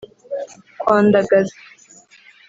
kwandagaza